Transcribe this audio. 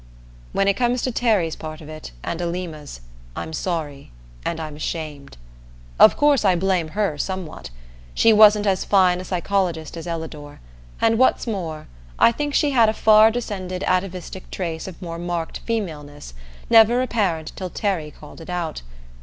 When it comes to Terry's part of it, and Alima's, I'm sorry and I'm ashamed. Of course I blame her somewhat. She wasn't as fine a psychologist as Ellador, and what's more, I think she had a far descended atavistic trace of more marked femaleness, never apparent till Terry called it out.